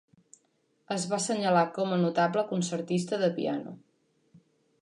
Es va senyalar com a notable concertista de piano.